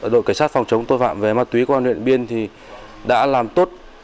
đội cảnh sát phòng chống tội phạm về ma túy công an huyện điện biên đã làm tốt